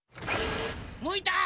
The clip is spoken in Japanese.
むいた！